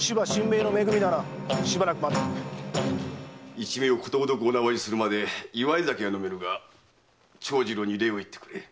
一味をことごとくお縄にするまで祝い酒は飲めぬが長次郎に礼を言ってくれ。